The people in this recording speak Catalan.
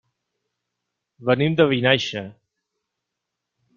Venim de Vinaixa.